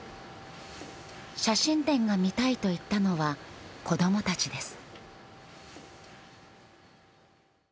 写真展が見たいと言ったのは子供たちです。